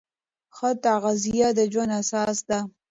ښه تغذیه د ژوند اساس ده.